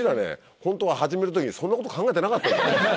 ホントは始める時にそんなこと考えてなかった。